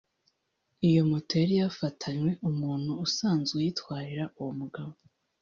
Iyo moto yari yafatanywe umuntu usanzwe ayitwarira uwo mugabo